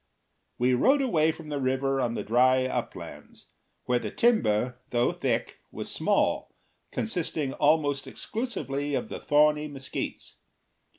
We rode away from the river on the dry uplands, where the timber, though thick, was small, consisting almost exclusively of the thorny mesquites.